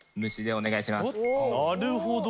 なるほど。